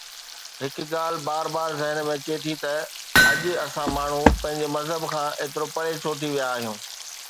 هڪ ڳالهه بار بار ذهن ۾ اچي ٿي ته اڄ اسان ماڻهو پنهنجي مذهب کان ايترو پري ڇو ٿي ويا آهيون؟